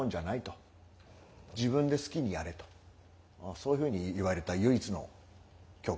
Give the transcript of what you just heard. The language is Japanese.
そういうふうに言われた唯一の曲だと。